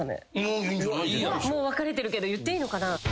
もう別れてるけど言っていいのかな。